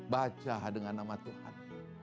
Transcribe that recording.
baca dengan nama tuhan